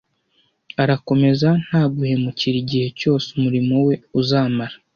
arakomeza nta guhemukira igihe cyose umurimo we uzamara